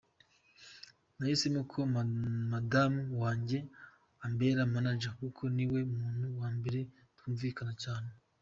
Nahisemo ko Madame wanjye ambera manager kuko ni we muntu wa mbere twumvikana cyane.